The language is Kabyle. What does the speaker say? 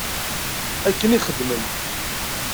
Akken i xedmen.